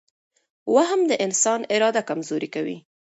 وهم د انسان اراده کمزورې کوي.